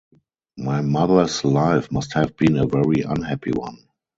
My mother's life must have been a very unhappy one.